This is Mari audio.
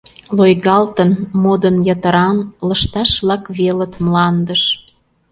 Лойгалтын, модын йытыран, лышташ-влак велыт мландыш.